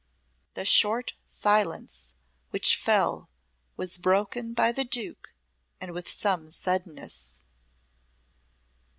The short silence which fell was broken by the Duke and with some suddenness.